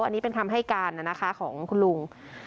อันนี้เป็นคำให้การนะคะของคุณลุง